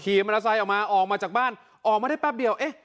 มอเตอร์ไซค์ออกมาออกมาจากบ้านออกมาได้แป๊บเดียวเอ๊ะ